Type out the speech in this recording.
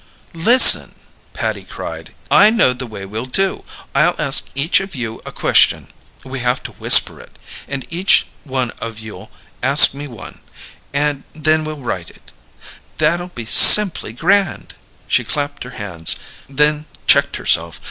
"Listen!" Patty cried, "I know the way we'll do. I'll ask each of you a question we haf to whisper it and each one of you'll ask me one, and then we'll write it. That'll be simply grand!" She clapped her hands; then checked herself.